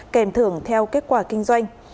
kèm thưởng theo kết quả kinh doanh